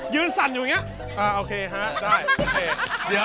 ยืนศั่นอยู่อย่างเนี้ย